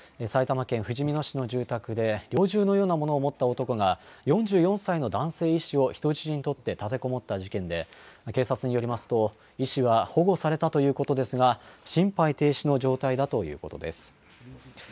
埼玉県ふじみ野市の住宅で、猟銃のようなものを持った男が、４４歳の男性医師を人質に取って立てこもった事件で、警察によりますと、医師は保護されたということですが、心肺停止の状態だということです。